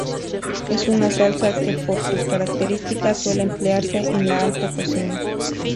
Es una salsa que por sus características suele emplearse en la alta cocina.